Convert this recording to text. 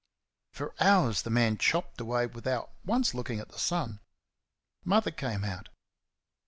For hours the man chopped away without once looking at the sun. Mother came out.